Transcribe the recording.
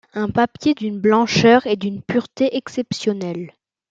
Un papier d'une blancheur et d'une pureté exceptionnelles.